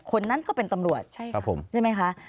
คนนั้นก็เป็นตำรวจใช่ไหมคะ